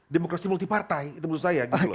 demokrasi multipartai itu menurut saya